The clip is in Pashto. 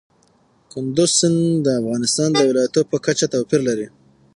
کندز سیند د افغانستان د ولایاتو په کچه توپیر لري.